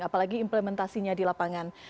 apalagi implementasinya di lapangan